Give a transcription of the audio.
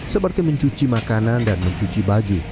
seperti mencuci makanan dan mencuci baju